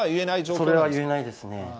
それは言えないですね。